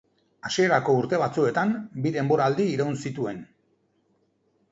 Hasierako urte batzuetan bi denboraldi iraun zituen.